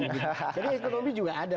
jadi ekonomi juga ada